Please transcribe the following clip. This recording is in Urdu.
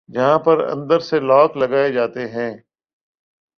جہاں پر اندر سے لاک لگائے جاتے ہیں